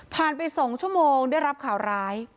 ไป๒ชั่วโมงได้รับข่าวร้าย